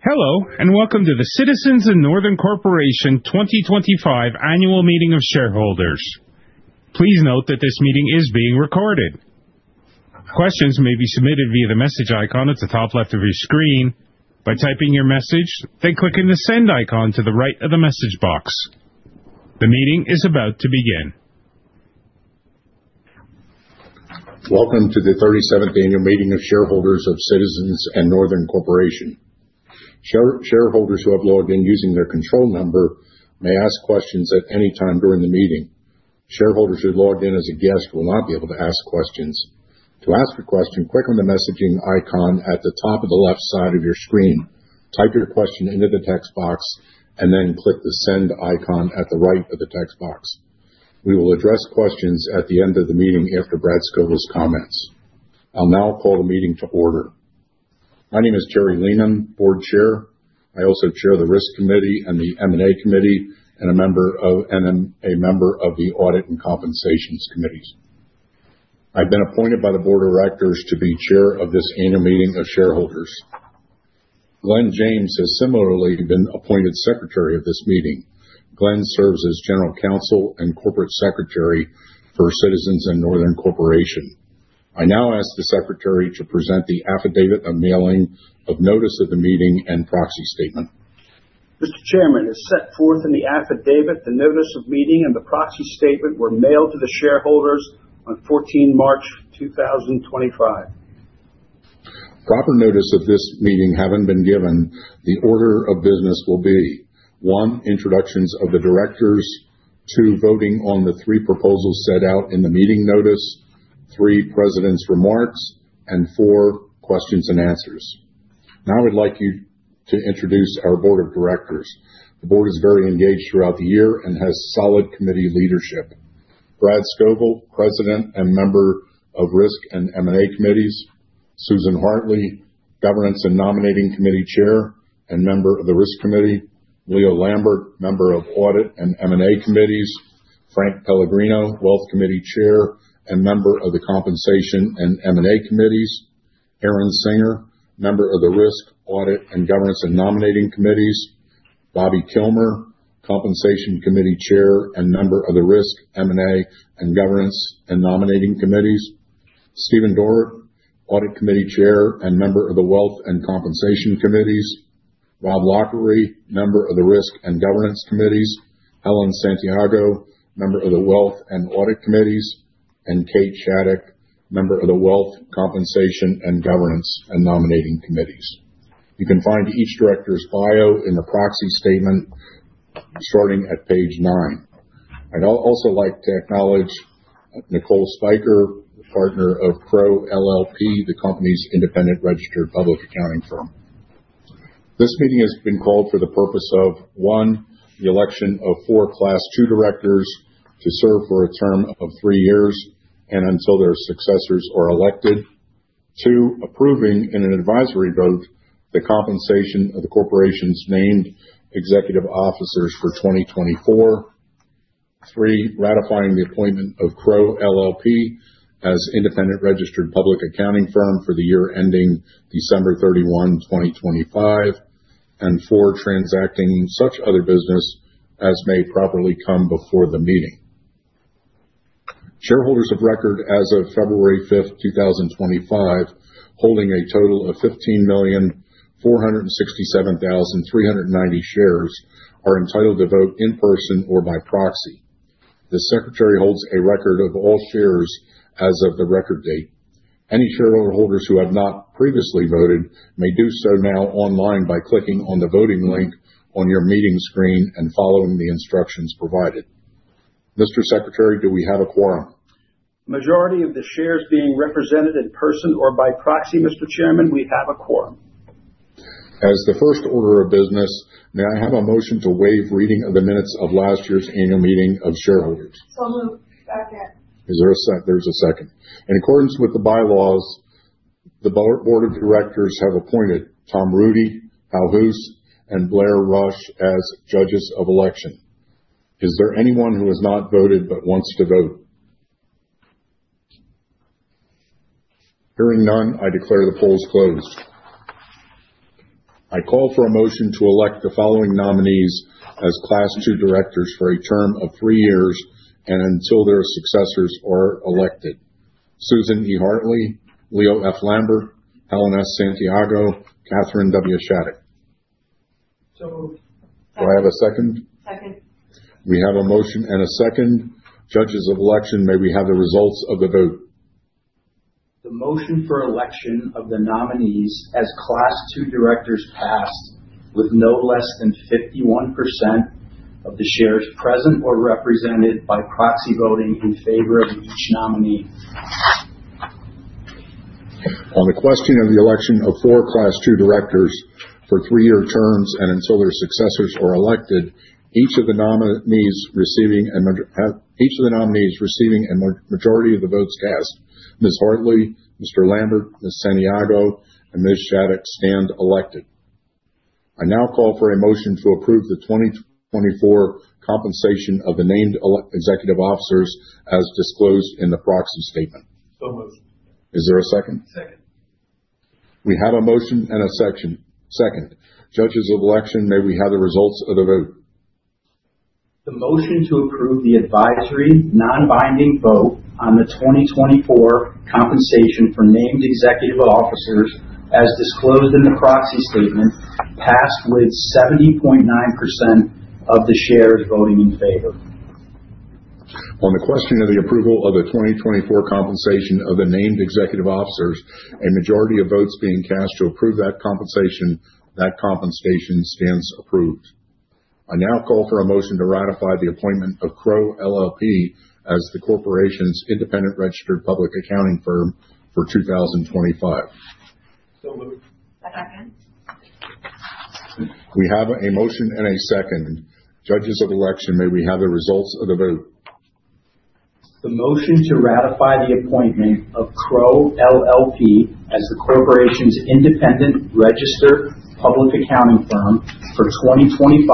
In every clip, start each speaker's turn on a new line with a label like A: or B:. A: Hello, and welcome to the Citizens & Northern Corporation 2025 Annual Meeting of Shareholders. Please note that this meeting is being recorded. Questions may be submitted via the message icon at the top left of your screen by typing your message, then clicking the send icon to the right of the message box. The meeting is about to begin.
B: Welcome to the 37th Annual Meeting of Shareholders of Citizens & Northern Corporation. Shareholders who have logged in using their control number may ask questions at any time during the meeting. Shareholders who logged in as a guest will not be able to ask questions. To ask a question, click on the messaging icon at the top of the left side of your screen, type your question into the text box, and then click the send icon at the right of the text box. We will address questions at the end of the meeting after Brad Scovill's comments. I'll now call the meeting to order. My name is Terry Lehman, Board Chair. I also chair the Risk Committee and the M&A Committee, and am a member of the Audit and Compensation Committees. I've been appointed by the Board of Directors to be chair of this Annual Meeting of Shareholders. Glenn James has similarly been appointed Secretary of this meeting. Glenn serves as General Counsel and Corporate Secretary for Citizens & Northern Corporation. I now ask the Secretary to present the affidavit of mailing of notice of the meeting and proxy statement.
C: Mr. Chairman, as set forth in the affidavit, the notice of meeting and the proxy statement were mailed to the shareholders on March 14, 2025.
B: Proper notice of this meeting having been given, the order of business will be: one, introductions of the directors; two, voting on the three proposals set out in the meeting notice; three, president's remarks; and four, questions and answers. Now I would like you to introduce our Board of Directors. The board is very engaged throughout the year and has solid committee leadership: Brad Scovill, President and Member of Risk and M&A Committees; Susan Hartley, Governance and Nominating Committee Chair and Member of the Risk Committee; Leo Lambert, Member of Audit and M&A Committees; Frank Pellegrino, Wealth Committee Chair and Member of the Compensation and M&A Committees; Aaron Singer, Member of the Risk, Audit, and Governance and Nominating Committees; Bobbi Kilmer, Compensation Committee Chair and Member of the Risk, M&A, and Governance and Nominating Committees; Stephen Dorwart, Audit Committee Chair and Member of the Wealth and Compensation Committees; Rob Loughery, Member of the Risk and Governance Committees; Helen Santiago, Member of the Wealth and Audit Committees; and Kate Shattuck, Member of the Wealth, Compensation, and Governance and Nominating Committees. You can find each director's bio in the proxy statement starting at page nine. I'd also like to acknowledge Nicole Spiker, partner of Crowe LLP, the company's independent registered public accounting firm. This meeting has been called for the purpose of: one, the election of four Class II directors to serve for a term of three years and until their successors are elected; two, approving in an advisory vote the compensation of the corporation's named executive officers for 2024; three, ratifying the appointment of Crowe LLP as independent registered public accounting firm for the year ending December 31, 2025; and four, transacting such other business as may properly come before the meeting. Shareholders of record as of February 5th, 2025, holding a total of 15,467,390 shares, are entitled to vote in person or by proxy. The Secretary holds a record of all shares as of the record date. Any shareholders who have not previously voted may do so now online by clicking on the voting link on your meeting screen and following the instructions provided. Mr. Secretary, do we have a quorum?
C: Majority of the shares being represented in person or by proxy, Mr. Chairman, we have a quorum.
B: As the first order of business, may I have a motion to waive reading of the minutes of last year's Annual Meeting of Shareholders?
D: I'll move back in.
B: Is there a second? There's a second. In accordance with the bylaws, the Board of Directors have appointed Tom Rudy, Hal Hoose, and Blair Rush as judges of election. Is there anyone who has not voted but wants to vote? Hearing none, I declare the polls closed. I call for a motion to elect the following nominees as Class II directors for a term of three years and until their successors are elected: Susan E. Hartley, Leo F. Lambert, Helen S. Santiago, Katherine W. Shattuck.
D: So moved.
B: Do I have a second?
D: Second.
B: We have a motion and a second. Judges of election, may we have the results of the vote?
C: The motion for election of the nominees as Class II directors passed with no less than 51% of the shares present or represented by proxy voting in favor of each nominee.
B: On the question of the election of four Class II directors for three-year terms and until their successors are elected, each of the nominees receiving a majority of the votes cast, Ms. Hartley, Mr. Lambert, Ms. Santiago, and Ms. Shattuck stand elected. I now call for a motion to approve the 2024 compensation of the named executive officers as disclosed in the proxy statement.
D: So moved.
B: Is there a second?
D: Second.
B: We have a motion and a second. Judges of election, may we have the results of the vote?
C: The motion to approve the advisory non-binding vote on the 2024 compensation for named executive officers as disclosed in the proxy statement passed with 70.9% of the shares voting in favor.
B: On the question of the approval of the 2024 compensation of the named executive officers, a majority of votes being cast to approve that compensation stands approved. I now call for a motion to ratify the appointment of Crowe LLP as the corporation's independent registered public accounting firm for 2025.
D: So moved. Second.
B: We have a motion and a second. Judges of election, may we have the results of the vote?
C: The motion to ratify the appointment of Crowe LLP as the corporation's independent registered public accounting firm for 2025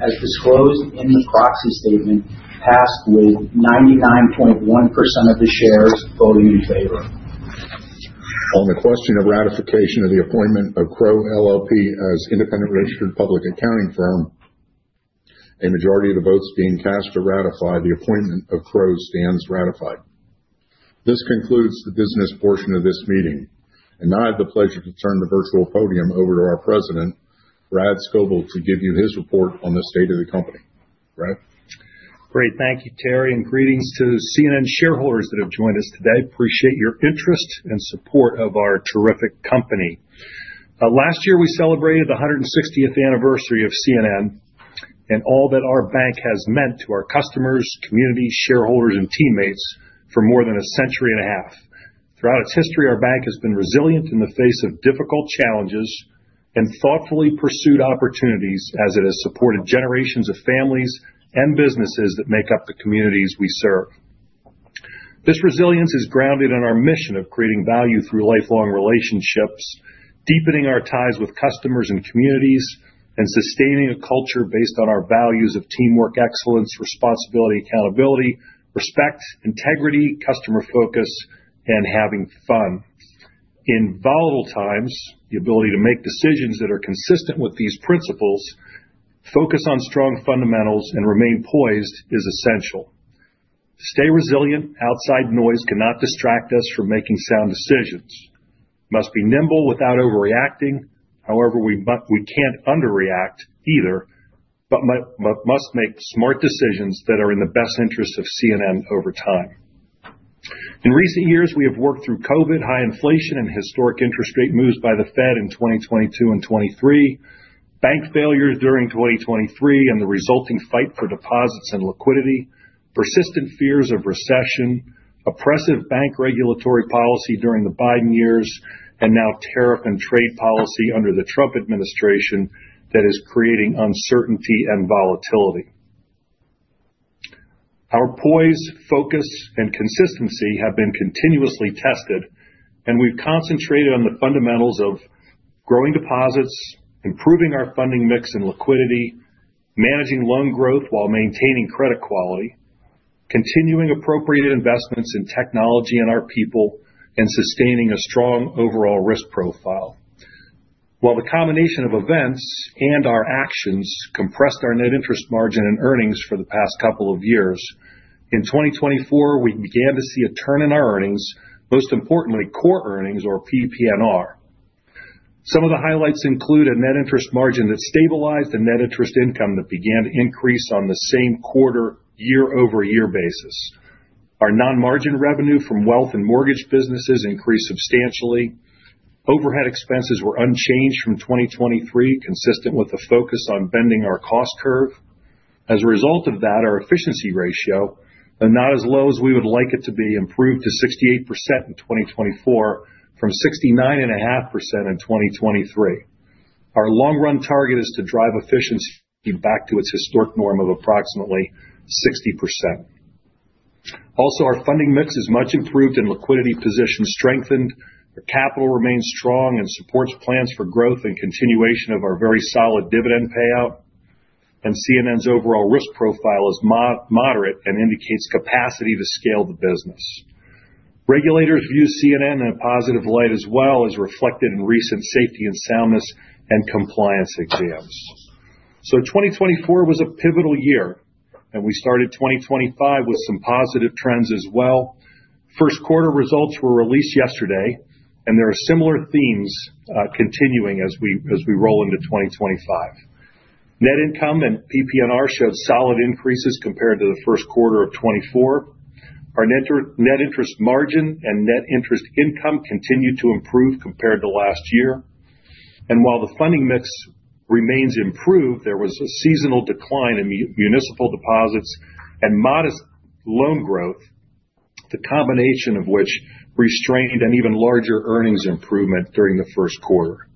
C: as disclosed in the proxy statement passed with 99.1% of the shares voting in favor.
B: On the question of ratification of the appointment of Crowe LLP as independent registered public accounting firm, a majority of the votes being cast to ratify the appointment of Crowe stands ratified. This concludes the business portion of this meeting. I have the pleasure to turn the virtual podium over to our President, Brad Scovill, to give you his report on the state of the company. Brad?
E: Great. Thank you, Terry. Greetings to C&N shareholders that have joined us today. Appreciate your interest and support of our terrific company. Last year, we celebrated the 160th anniversary of C&N and all that our bank has meant to our customers, community, shareholders, and teammates for more than a century and a half. Throughout its history, our bank has been resilient in the face of difficult challenges and thoughtfully pursued opportunities as it has supported generations of families and businesses that make up the communities we serve. This resilience is grounded in our mission of creating value through lifelong relationships, deepening our ties with customers and communities, and sustaining a culture based on our values of teamwork, excellence, responsibility, accountability, respect, integrity, customer focus, and having fun. In volatile times, the ability to make decisions that are consistent with these principles, focus on strong fundamentals, and remain poised is essential. Stay resilient. Outside noise cannot distract us from making sound decisions. Must be nimble without overreacting. However, we can't underreact either, but must make smart decisions that are in the best interest of C&N over time. In recent years, we have worked through COVID, high inflation, and historic interest rate moves by the Fed in 2022 and 2023, bank failures during 2023 and the resulting fight for deposits and liquidity, persistent fears of recession, oppressive bank regulatory policy during the Biden years, and now tariff and trade policy under the Trump administration that is creating uncertainty and volatility. Our poise, focus, and consistency have been continuously tested, and we've concentrated on the fundamentals of growing deposits, improving our funding mix and liquidity, managing loan growth while maintaining credit quality, continuing appropriate investments in technology and our people, and sustaining a strong overall risk profile. While the combination of events and our actions compressed our net interest margin and earnings for the past couple of years, in 2024, we began to see a turn in our earnings, most importantly, core earnings or PPNR. Some of the highlights include a net interest margin that stabilized and net interest income that began to increase on the same quarter year-over-year basis. Our non-margin revenue from wealth and mortgage businesses increased substantially. Overhead expenses were unchanged from 2023, consistent with the focus on bending our cost curve. As a result of that, our efficiency ratio, though not as low as we would like it to be, improved to 68% in 2024 from 69.5% in 2023. Our long-run target is to drive efficiency back to its historic norm of approximately 60%. Also, our funding mix is much improved and liquidity positions strengthened. Our capital remains strong and supports plans for growth and continuation of our very solid dividend payout. And C&N's overall risk profile is moderate and indicates capacity to scale the business. Regulators view C&N in a positive light as well, as reflected in recent safety and soundness and compliance exams. 2024 was a pivotal year, and we started 2025 with some positive trends as well. First quarter results were released yesterday, and there are similar themes continuing as we roll into 2025. Net income and PPNR showed solid increases compared to the first quarter of 2024. Our net interest margin and net interest income continued to improve compared to last year. While the funding mix remains improved, there was a seasonal decline in municipal deposits and modest loan growth, the combination of which restrained an even larger earnings improvement during the first quarter.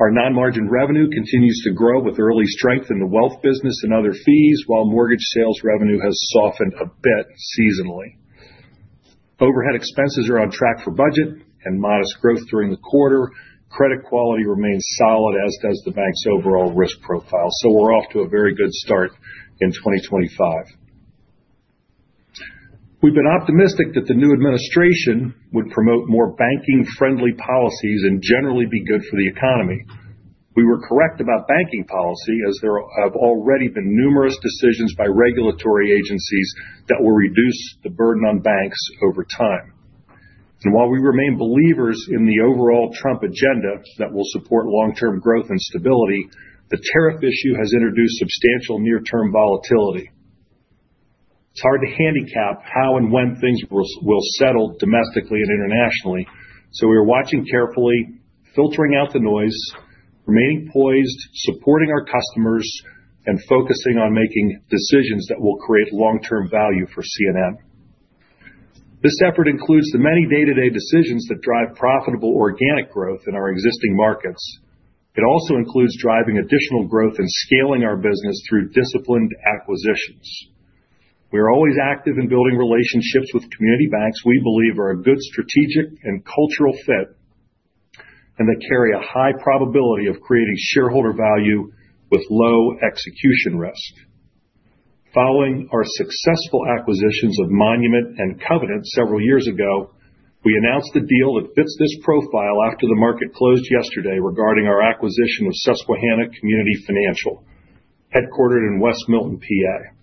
E: Our non-margin revenue continues to grow with early strength in the wealth business and other fees, while mortgage sales revenue has softened a bit seasonally. Overhead expenses are on track for budget and modest growth during the quarter. Credit quality remains solid, as does the bank's overall risk profile. We are off to a very good start in 2025. We have been optimistic that the new administration would promote more banking-friendly policies and generally be good for the economy. We were correct about banking policy as there have already been numerous decisions by regulatory agencies that will reduce the burden on banks over time. While we remain believers in the overall Trump agenda that will support long-term growth and stability, the tariff issue has introduced substantial near-term volatility. It is hard to handicap how and when things will settle domestically and internationally. We are watching carefully, filtering out the noise, remaining poised, supporting our customers, and focusing on making decisions that will create long-term value for C&N. This effort includes the many day-to-day decisions that drive profitable organic growth in our existing markets. It also includes driving additional growth and scaling our business through disciplined acquisitions. We are always active in building relationships with community banks we believe are a good strategic and cultural fit and that carry a high probability of creating shareholder value with low execution risk. Following our successful acquisitions of Monument and Covenant several years ago, we announced a deal that fits this profile after the market closed yesterday regarding our acquisition of Susquehanna Community Financial, headquartered in West Milton, PA.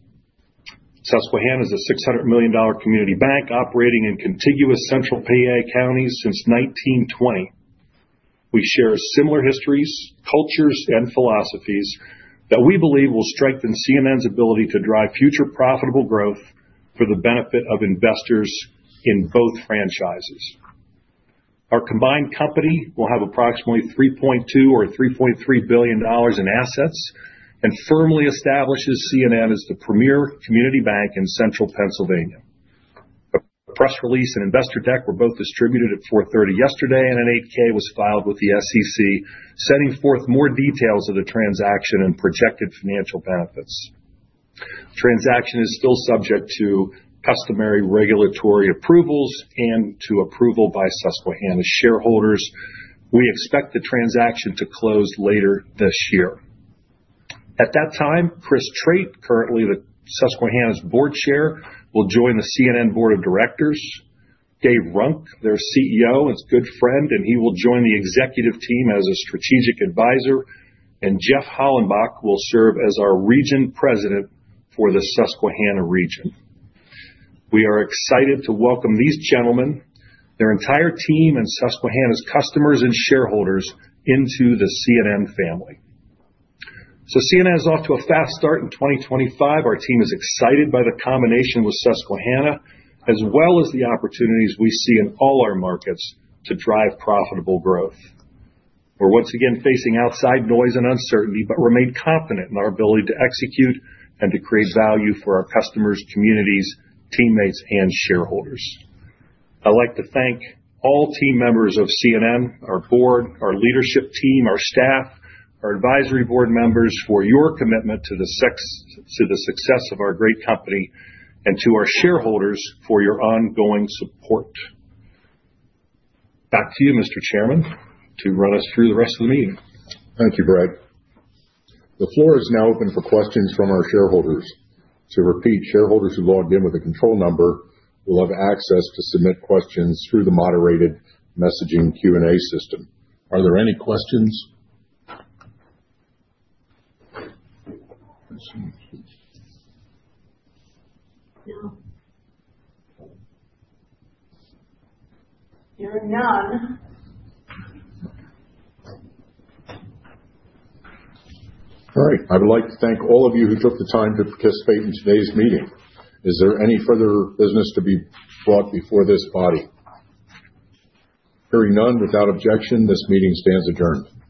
E: Susquehanna is a $600 million community bank operating in contiguous central PA counties since 1920. We share similar histories, cultures, and philosophies that we believe will strengthen C&N's ability to drive future profitable growth for the benefit of investors in both franchises. Our combined company will have approximately $3.2 billion-$3.3 billion in assets and firmly establishes C&N as the premier community bank in central Pennsylvania. A press release and investor deck were both distributed at 4:30 yesterday, and an 8-K was filed with the SEC, setting forth more details of the transaction and projected financial benefits. The transaction is still subject to customary regulatory approvals and to approval by Susquehanna shareholders. We expect the transaction to close later this year. At that time, Chris Trate, currently Susquehanna's board chair, will join the C&N Board of Directors. Dave Runk, their CEO, is a good friend, and he will join the executive team as a strategic advisor. Jeff Hollenbach will serve as our region president for the Susquehanna region. We are excited to welcome these gentlemen, their entire team, and Susquehanna's customers and shareholders into the C&N family. C&N is off to a fast start in 2025. Our team is excited by the combination with Susquehanna, as well as the opportunities we see in all our markets to drive profitable growth. We're once again facing outside noise and uncertainty, but remain confident in our ability to execute and to create value for our customers, communities, teammates, and shareholders. I'd like to thank all team members of C&N, our board, our leadership team, our staff, our advisory board members for your commitment to the success of our great company and to our shareholders for your ongoing support. Back to you, Mr. Chairman, to run us through the rest of the meeting.
B: Thank you, Brad. The floor is now open for questions from our shareholders. To repeat, shareholders who logged in with a control number will have access to submit questions through the moderated messaging Q&A system. Are there any questions?
D: There are none.
B: All right. I would like to thank all of you who took the time to participate in today's meeting. Is there any further business to be brought before this body? Hearing none, without objection, this meeting stands adjourned.